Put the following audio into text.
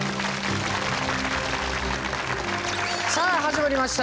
さあ始まりました